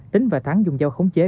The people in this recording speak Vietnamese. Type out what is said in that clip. tính và thắng dùng dao khống chế